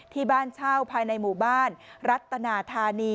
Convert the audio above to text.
ที่บ้านเช่าภายในหมู่บ้านรัตนาธานี